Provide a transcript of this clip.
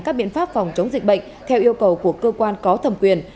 các biện pháp phòng chống dịch bệnh theo yêu cầu của cơ quan có thẩm quyền